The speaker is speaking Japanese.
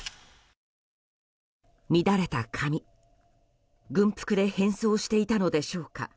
乱れた髪、軍服で変装していたのでしょうか。